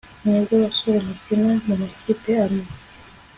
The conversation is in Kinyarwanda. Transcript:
Mwebwe basore mukina mumakipe amwe